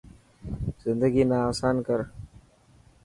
زندگي نا آسان ڪر.